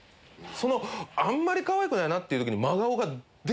そのあんまりかわいくないなっていう時に。